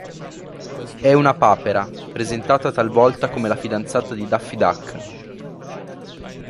È una papera, presentata talvolta come la fidanzata di Daffy Duck.